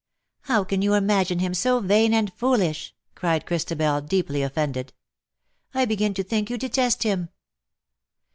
" How can you imagine him so vain and foolish," cried Christabel, deeply offended. ^^ I begin to think you detest him